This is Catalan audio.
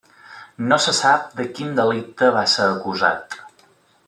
No se sap de quin delicte va ser acusat.